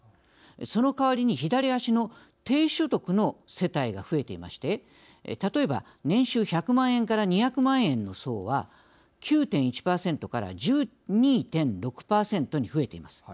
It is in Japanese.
その代わりに左端の低所得の世帯が増えていまして例えば年収１００万円から２００万円の層は９．１％から１２．６％に増えています。